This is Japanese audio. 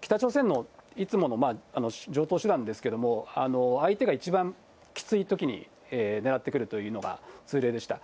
北朝鮮のいつもの常とう手段ですけれども、相手が一番きついときに狙ってくるというのが通例でした。